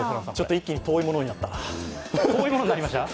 一気に遠いものになったな。